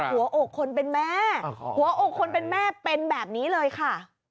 หัวอกคนเป็นแม่หัวอกคนเป็นแม่เป็นแบบนี้เลยค่ะ